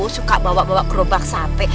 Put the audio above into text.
suka bawa bawa gerobak sate